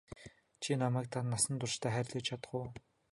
Чи намайг насан туршдаа хайрлаж чадах уу?